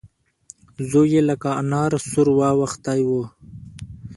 زوی يې لکه انار سور واوښتی و.